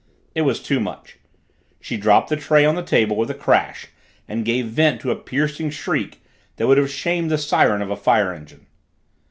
It was too much. She dropped the tray on the table with a crash and gave vent to a piercing shriek that would have shamed the siren of a fire engine.